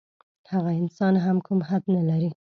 هغه انسان هم کوم حد نه لري.